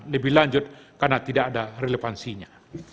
lebih lanjut karena tidak ada relevansinya